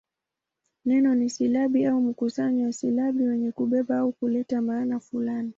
Neno ni silabi au mkusanyo wa silabi wenye kubeba au kuleta maana fulani.